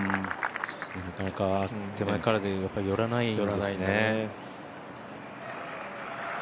なかなか手前から寄らないですね。